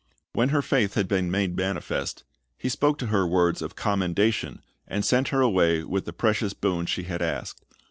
When her faith had been made manifest. He spoke to her words of commendation, and sent her away with the precious boon she had asked.